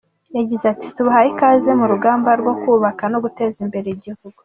Yagize ati “Tubahaye ikaze mu rugamba rwo kubaka no guteza imbere igihugu.